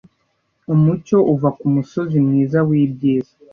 Umucyo uva kumusozi-mwiza wibyiza,